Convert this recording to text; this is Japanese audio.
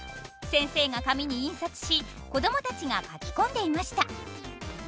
先生が紙に印刷し子供たちが書き込んでいました。